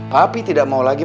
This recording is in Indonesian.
papi tidak mau lagi